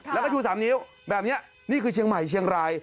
แล้วก็ชู๓นิ้วแบบนี้นี่คือเชียงใหม่เชียงราย